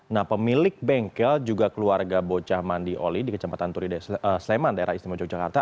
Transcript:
nah pemilik bengkel juga keluarga bocah mandi oli di kecamatan turide sleman daerah istimewa yogyakarta